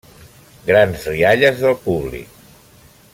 Grans rialles del públic.